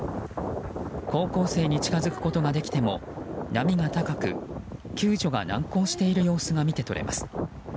高校生に近づくことができても波が高く救助が難航している様子が見て取れます。